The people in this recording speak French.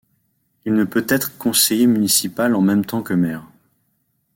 Il ne peut être conseiller municipal en même temps que maire.